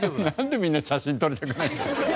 なんでみんな写真撮りたくない？